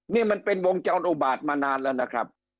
นี่มันเป็นวงจรอุบาตมานานแล้วนะครับ